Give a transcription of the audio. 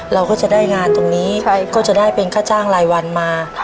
เราก็จะได้งานตรงนี้ก็จะได้เป็นค่าจ้างรายวันมา